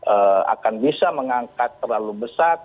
eee akan bisa mengangkat terlalu besar